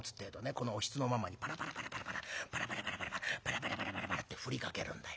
このおひつのまんまにパラパラパラパラパラパラパラパラパラパラって振りかけるんだよ。